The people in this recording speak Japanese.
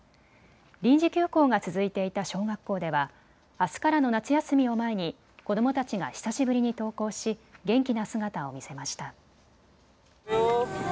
臨時休校が続いていた小学校ではあすからの夏休みを前に子どもたちが久しぶりに登校し元気な姿を見せました。